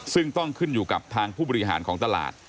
ซึ่งต้องขึ้นอยู่กับทางผู้บริหารของตลาด